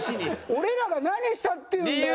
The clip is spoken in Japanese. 俺らが何したっていうんだよ！